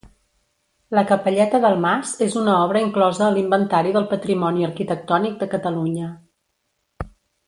La capelleta del mas és una obra inclosa a l'Inventari del Patrimoni Arquitectònic de Catalunya.